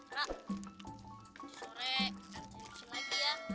kak sore kita tidur siang lagi ya